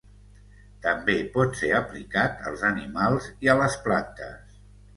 També pot ser aplicat als animals i a les plantes.